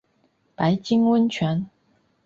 白金温泉